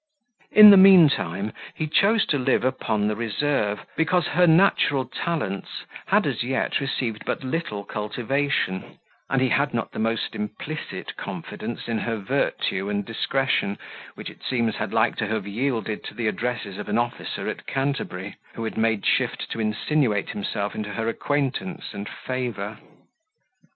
In the mean time, he chose to live upon the reserve, because her natural talents had as yet received but little cultivation; and he had not the most implicit confidence in her virtue and discretion, which, it seems, had like to have yielded to the addresses of an officer at Canterbury, who had made shift to insinuate himself into her acquaintance and favour.